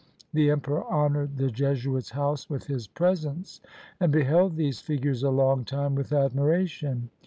The emperor honored the Jesuits' house with his presence, and beheld these figures a long time with admiration.